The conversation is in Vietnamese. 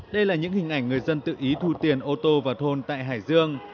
đây là những hình ảnh người dân tự ý thu tiền ô tô vào thôn tại hải dương